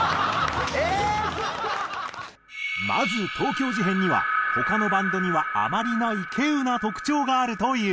まず東京事変には他のバンドにはあまりない稀有な特徴があるという。